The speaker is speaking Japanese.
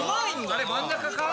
あれ真ん中か？